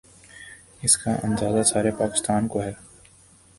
، اس کا اندازہ سارے پاکستان کو ہے۔